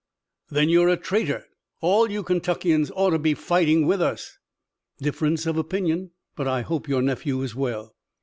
"Then you're a traitor. All you Kentuckians ought to be fighting with us." "Difference of opinion, but I hope your nephew is well."